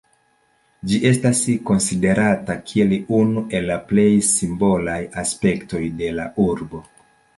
Ĝi estas konsiderata kiel unu el la plej simbolaj aspektoj de la urbo.